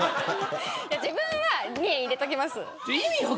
自分は２円入れておきます。